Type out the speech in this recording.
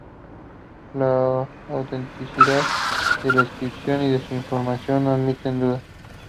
La autenticidad de la inscripción y su información no admiten dudas.